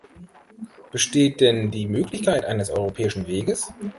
Besteht denn die Möglichkeit eines europäischen Weges?